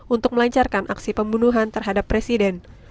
untuk melancarkan aksi pembunuhan terhadap presiden